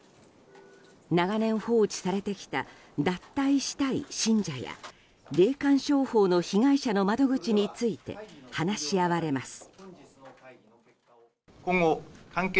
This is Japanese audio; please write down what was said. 長年放置されてきた脱退したい信者や霊感商法の被害者の窓口について話し合われます。